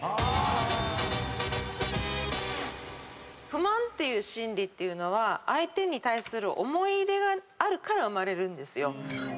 不満っていう心理って相手に対する思い入れがあるから生まれるんですよ。